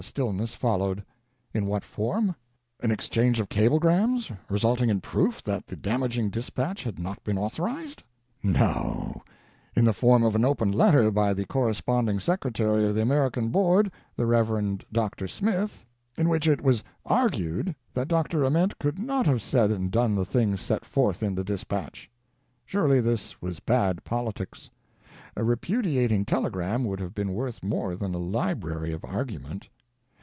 stillness followed. In what form? An exchange of cablegrams, resulting in proof that the damaging dispatch had not been authorized ? No, in the form of an Open Letter by the Corresponding Secretary of the American Board, the Eev. Dr. Smith, in which it was argued that Dr. Ament could not have said and done the things set forth in the dispatch. Surely, this was bad politics. A repudiating telegram would have been worth more than a library of argument.